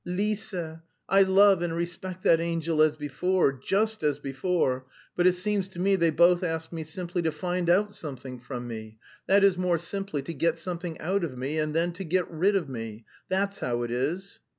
Lise... I love and respect that angel as before; just as before; but it seems to me they both asked me simply to find out something from me, that is more simply to get something out of me, and then to get rid of me.... That's how it is."